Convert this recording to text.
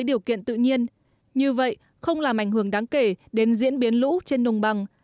điều kiện tự nhiên như vậy không làm ảnh hưởng đáng kể đến diễn biến lũ trên đồng bằng